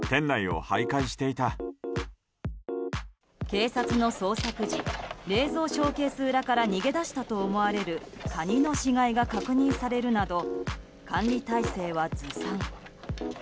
警察の捜索時冷蔵ショーケース裏から逃げ出したと思われるカニの死骸が確認されるなど管理体制はずさん。